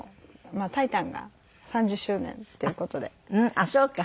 ああそうか。